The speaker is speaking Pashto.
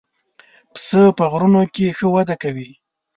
پسه په غرونو کې ښه وده کوي.